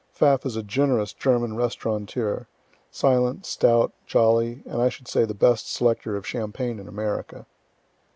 (Pfaff is a generous German restaurateur, silent, stout, jolly, and I should say the best selecter of champagne in America.)